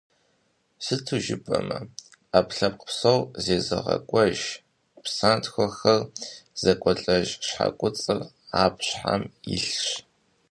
Сыту жыпӏэмэ, ӏэпкълъэпкъ псор зезыгъэкӏуэж, псантхуэхэр зэкӏуэлӏэж щхьэкуцӏыр аб щхьэм илъщ.